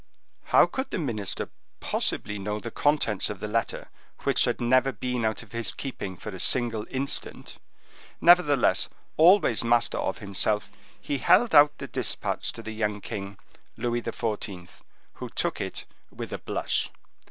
How could the minister possibly know the contents of the letter, which had never been out of his keeping for a single instant? Nevertheless, always master of himself, he held out the dispatch to the young king, Louis XIV., who took it with a blush.